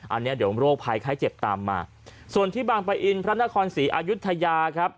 อันนี้เดี๋ยวโรคภัยไข้เจ็บตามมาส่วนที่บางปะอินพระนครศรีอายุทยาครับ